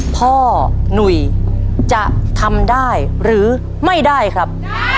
หนุ่ยจะทำได้หรือไม่ได้ครับ